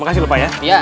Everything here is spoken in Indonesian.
makasih lho pak ya